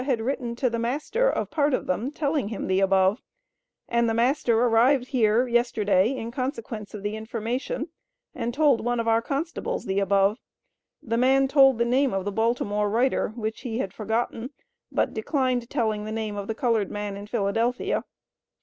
had written to the master of part of them telling him the above, and the master arrived here yesterday in consequence of the information, and told one of our constables the above; the man told the name of the Baltimore writer, which he had forgotten, but declined telling the name of the colored man in Phila.